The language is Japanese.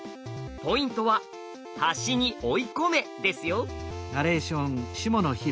ポイントは「端に追い込め」ですよ。